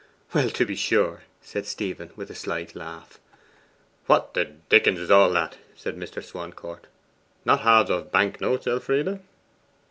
'Well, to be sure!' said Stephen with a slight laugh. 'What the dickens is all that?' said Mr. Swancourt. 'Not halves of bank notes, Elfride?